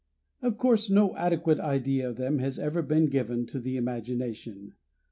Of course, no adequate idea of them has ever been given to the imagination.